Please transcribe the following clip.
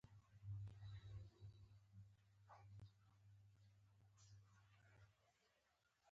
د فصل حاصل لوړوي که له ناروغیو وقایه وشي.